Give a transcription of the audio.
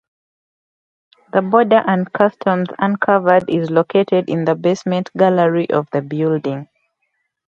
The Border and Customs uncovered' is located in the basement gallery of the building.